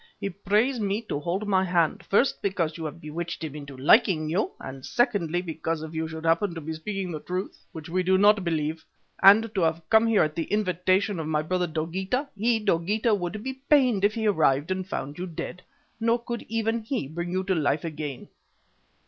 He prays me to hold my hand, first because you have bewitched him into liking you and secondly because if you should happen to be speaking the truth which we do not believe and to have come here at the invitation of my brother Dogeetah, he, Dogeetah, would be pained if he arrived and found you dead, nor could even he bring you to life again.